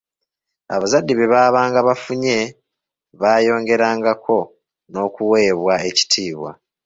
Abazadde bye baabanga bafunye baayongerangako n'okuweebwa ekitiibwa.